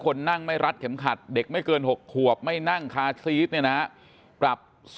คนนั่งไม่รัดเข็มขัดเด็กไม่เกิน๖ขวบไม่นั่งคาซีสปรับ๒๐๐๐